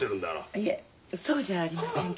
いえそうじゃありませんけど。